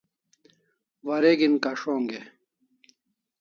Wareg'in kas'ong e?